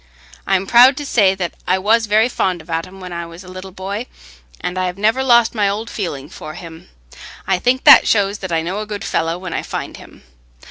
I'm proud to say that I was very fond of Adam when I was a little boy, and I have never lost my old feeling for him—I think that shows that I know a good fellow when I find him.